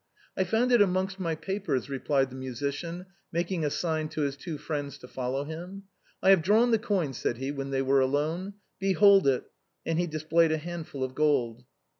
" I found it amongst my papers," replied the musician, making a sign to his two friends to follow him. " I have drawn the coin," said he, when they were alone. " Behold it," and he displayed a handful of gold.